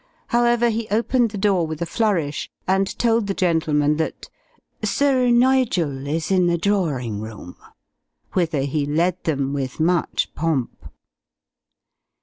However, he opened the door with a flourish, and told the gentlemen that "Sir Nigel is in the drorin' room," whither he led them with much pomp.